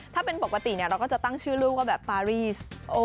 ถ้าเป็นปกติเราก็จะตั้งชื่อลูกว่าแบบปารีส